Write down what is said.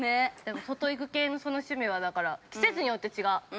外行く系のその趣味は、だから季節によって違う。